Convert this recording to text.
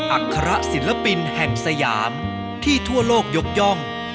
อัคระศิลปินแห่งสยามที่ทั่วโลกยกย่อง